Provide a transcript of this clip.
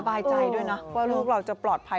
บายใจด้วยนะว่าลูกเราจะปลอดภัย